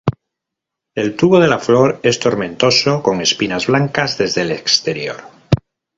El tubo de la flor es tomentoso con espinas blancas desde el exterior.